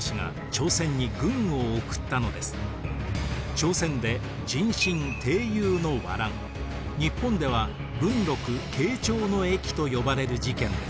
朝鮮で壬辰・丁酉の倭乱日本では文禄・慶長の役と呼ばれる事件です。